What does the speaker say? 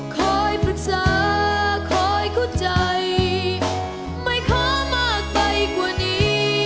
คอยปรึกษาคอยเข้าใจไม่ขอมากไปกว่านี้